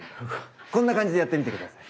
こんな感じでやってみて下さい。